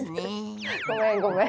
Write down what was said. ごめんごめん。